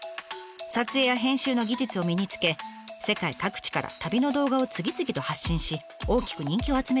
撮影や編集の技術を身につけ世界各地から旅の動画を次々と発信し大きく人気を集めていました。